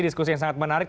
diskusi yang sangat menarik